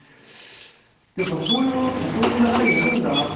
やっぱそういうものって、そういう流れになるんだなって